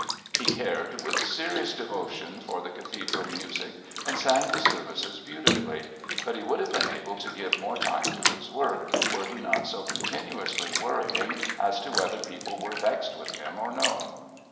He cared, with serious devotion, for the Cathedral music and sang the services beautifully, but he would have been able to give more time to his work were he not so continuously worrying as to whether people were vexed with him or no.